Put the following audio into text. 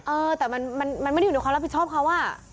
เออแต่มันไม่ได้อยู่ในความรับผิดชอบเขาอะ